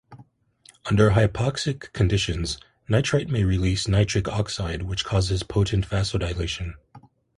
Under hypoxic conditions, nitrite may release nitric oxide, which causes potent vasodilation.